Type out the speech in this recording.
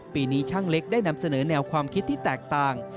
ปีนี้ช่างเล็กได้นำเสนอแนวความคิดที่แตกต่าง